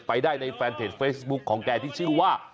ไปได้ในแฟนเพจเฟซบุ๊คของแกที่ชื่อว่า